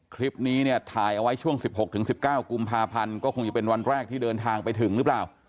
คลิปนี้เนี่ยถ่ายเอาไว้ช่วง๑๖๑๙กุมภาพันธ์ก็คงจะเป็นวันแรกที่เดินทางไปถึงหรือเปล่า